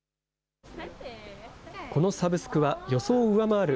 このサブスクは予想を上回る